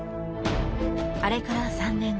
あれから３年。